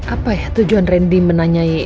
apa ya tujuan randy menanyai